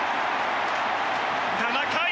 ７回。